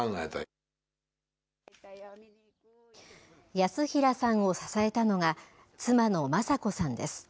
康平さんを支えたのが、妻の昌子さんです。